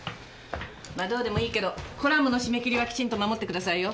まどうでもいいけどコラムの締め切りはきちんと守ってくださいよ。